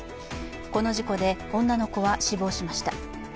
この事故で女の子は死亡しました。